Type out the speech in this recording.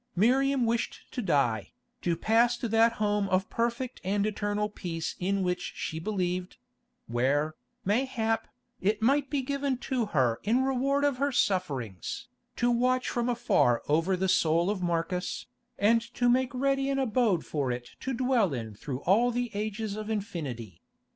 Miriam wished to die, to pass to that home of perfect and eternal peace in which she believed; where, mayhap, it might be given to her in reward of her sufferings, to watch from afar over the soul of Marcus, and to make ready an abode for it to dwell in through all the ages of infinity.